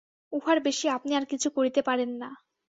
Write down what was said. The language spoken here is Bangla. উহার বেশী আপনি আর কিছু করিতে পারেন না।